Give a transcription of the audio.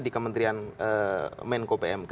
di kementerian menko pmk